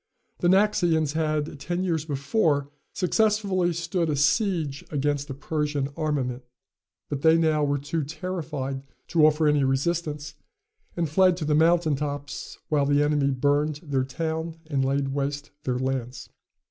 The Naxians had, ten years before, successfully stood a siege against a Persian armament, but they now were too terrified to offer any resistance, and fled to the mountain tops, while the enemy burned their town and laid waste their lands.